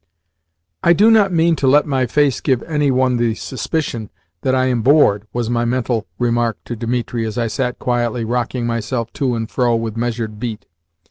"I do not mean to let my face give any one the suspicion that I am bored" was my mental remark to Dimitri as I sat quietly rocking myself to and fro with measured beat.